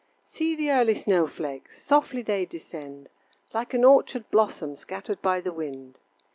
See the early snow flakes! Softly they descend, Like an orchard blossom Scattered by the wind.